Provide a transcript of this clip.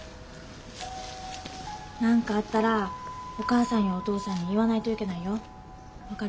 なんかあったらお母さんやお父さんに言わないといけないよ分かる？